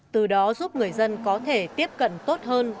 từ đó giúp người dân có thể tiếp cận tốt hơn